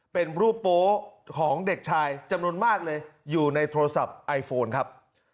เป็นรูปโป๊ของเด็กชายจำนวนมากเลยอยู่ในโทรศัพท์ไอโฟนครับ